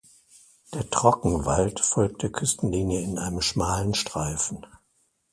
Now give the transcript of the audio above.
Der Trockenwald folgt der Küstenlinie in einem schmalen Streifen.